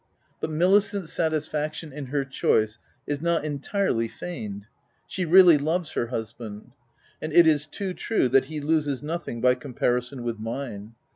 OF WILDFELL HALL. 249 But Milicent's satisfaction in her choice, is not entirely feigned : she really loves her hus band ; and it is too true that he loses nothing by comparison with mine.